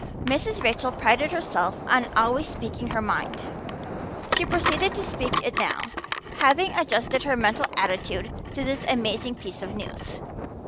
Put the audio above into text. Mrs. Rachel prided herself on always speaking her mind; she proceeded to speak it now, having adjusted her mental attitude to this amazing piece of news.